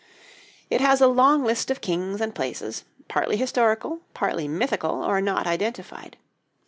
It has a long list of kings and places, partly historical, partly mythical or not identified.